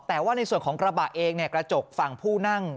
แต่ว่าในส่วนของกระบะเองกระจกฝั่งผู้นั่ง